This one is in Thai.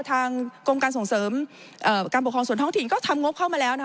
ทางกรมการส่งเสริมการปกครองส่วนท้องถิ่นก็ทำงบเข้ามาแล้วนะคะ